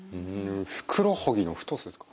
ふくらはぎの太さですか。